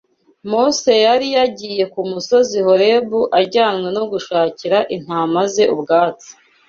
MOSE yari yagiye ku musozi Horebu ajyanywe no gushakira intama ze ubwatsi